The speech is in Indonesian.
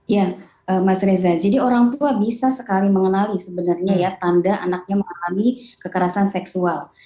ya mas reza jadi orang tua bisa sekali mengenali sebenarnya ya tanda anaknya mengalami kekerasan seksual